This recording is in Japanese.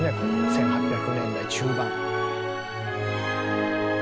１８００年代中盤。